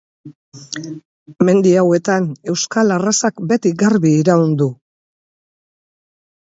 Mendi hauetan euskal arrazak beti garbi iraun du.